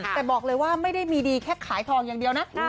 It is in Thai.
แต่บอกเลยว่าไม่ได้มีดีแค่ขายทองอย่างเดียวนะ